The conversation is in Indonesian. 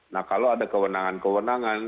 nah kalau ada kewenangan kewenangan